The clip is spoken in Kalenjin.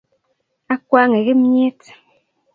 akwanke kimnyet